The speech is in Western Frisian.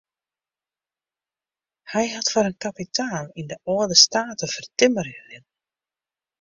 Hy hat foar in kapitaal yn de âlde state fertimmerje litten.